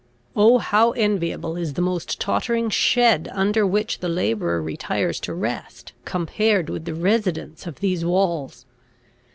Oh, how enviable is the most tottering shed under which the labourer retires to rest, compared with the residence of these walls!